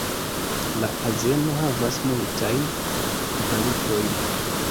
La azeno havas multajn kvalitojn.